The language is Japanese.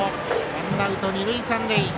ワンアウト二塁三塁。